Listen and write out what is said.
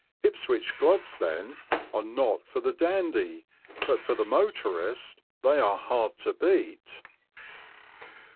Ipswich gloves, then, are not for the dandy, but for the motorist they are hard to beat.